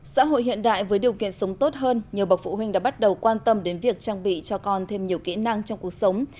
xã hội hiện đại với điều kiện sống tốt hơn nhiều bậc phụ huynh đã bắt đầu quan tâm đến việc trang bị cho con thêm nhiều kỹ năng trong cuộc sống